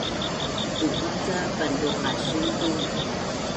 Tupa ca pantuqasun tu